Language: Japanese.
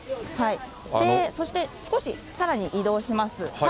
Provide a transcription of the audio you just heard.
そして、少しさらに移動します。